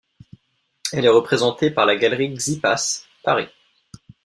Elle est représentée par la Galerie Xippas, Paris.